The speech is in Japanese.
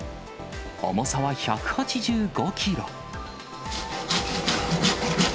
重さは１８５キロ。